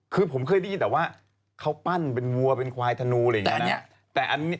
คือผมเคยได้ยินแต่ว่าเขาปั้นเป็นวัวเป็นควายธนูอะไรอย่างนี้นะ